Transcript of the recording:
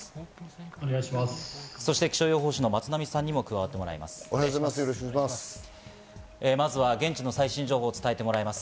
そして気象予報士の松並さんにも加わってもらいます。